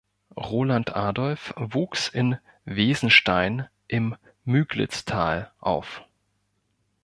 Roland Adolph wuchs in Weesenstein im Müglitztal auf.